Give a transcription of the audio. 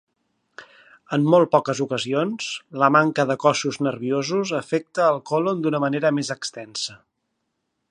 En molt poques ocasions, la manca de cossos nerviosos afecta el còlon d'una manera més extensa.